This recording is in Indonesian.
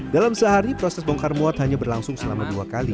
dalam sehari proses bongkar muat hanya berlangsung selama dua kali